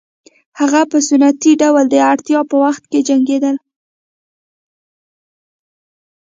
هغوی په سنتي ډول د اړتیا په وخت کې جنګېدل